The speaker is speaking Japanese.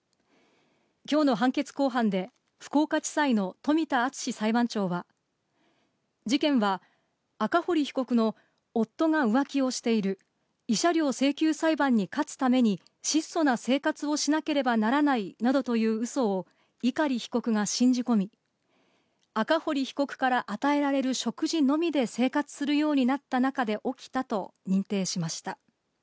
きょうの判決公判で、福岡地裁の冨田敦史裁判長は、事件は、赤堀被告の夫が浮気をしている、慰謝料請求裁判に勝つために、質素な生活をしなければならないなどといううそを、碇被告が信じ込み、赤堀被告から与えられる食事のみで生活するようになった中で起きたと認定しました。